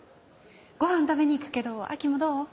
ご飯食べに行くけど亜季もどう？